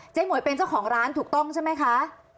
หมวยเป็นเจ้าของร้านถูกต้องใช่ไหมคะ